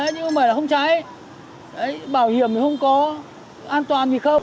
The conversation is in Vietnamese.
nhưng mà không cháy bảo hiểm thì không có an toàn thì không